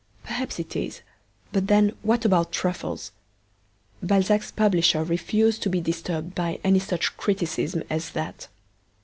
Perhaps it is: but then what about truffles? Balzac's publisher refused to be disturbed by any such criticism as that.